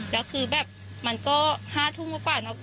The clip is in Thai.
แล้วคือแบบมันก็๕ทุ่มกว่าเนอะ